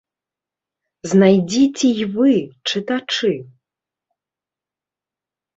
Знайдзіце і вы, чытачы.